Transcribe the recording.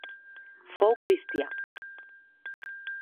Fou cristià.